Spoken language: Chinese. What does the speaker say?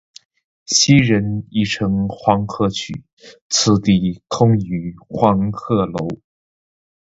昔人已乘黄鹤去，此地空余黄鹤楼。